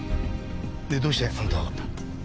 でどうしてあんたはわかった？